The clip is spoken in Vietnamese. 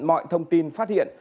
mọi thông tin phát hiện